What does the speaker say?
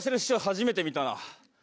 初めて見たな。